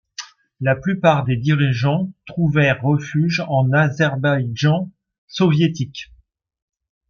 La plupart des dirigeants trouvèrent refuge en Azerbaïdjan soviétique.